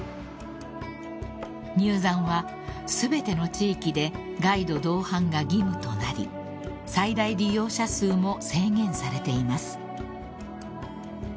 ［入山は全ての地域でガイド同伴が義務となり最大利用者数も制限されています］